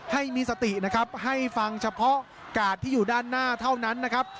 ให้มีสตินะครับให้ฟังเฉพาะกาดที่อยู่ด้านหน้าเท่านั้นนะครับ